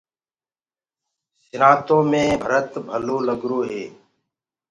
سِرآنٚتو مينٚ ڀرت ڀلو لگرو هي۔